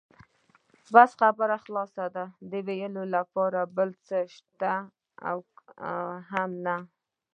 بس خبره خلاصه ده، د وېلو لپاره بل څه شته هم نه.